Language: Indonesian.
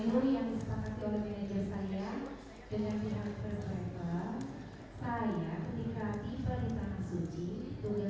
itu itu mengapa saya sudah nunjukkan ke ochrat sensible untuk saya mengelilingi uang kura